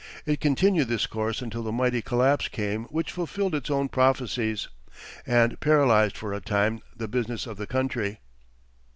It continued this course until the mighty collapse came which fulfilled its own prophecies, and paralyzed for a time the business of the country.